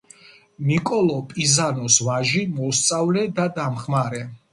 ნიკოლო პიზანოს ვაჟი, მოსწავლე და დამხმარე.